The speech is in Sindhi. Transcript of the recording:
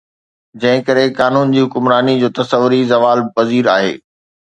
جنهن ڪري قانون جي حڪمراني جو تصور ئي زوال پذير آهي